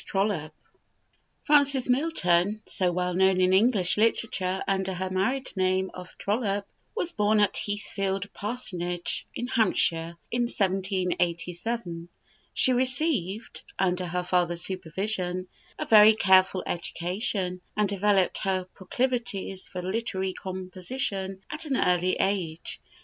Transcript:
TROLLOPE. Frances Milton, so well known in English literature under her married name of Trollope, was born at Heathfield Parsonage in Hampshire, in 1787. She received, under her father's supervision, a very careful education, and developed her proclivities for literary composition at an early age.